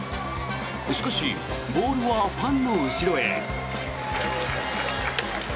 しかしボールはファンの後ろへ。